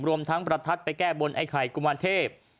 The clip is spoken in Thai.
รวมทั้งประทัดไปแก้บนไอ้ไข่กุมารเทพ